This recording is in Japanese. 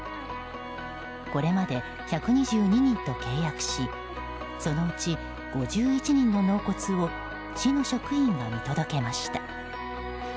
これまで１２２人と契約しそのうち５１人の納骨を市の職員が見届けました。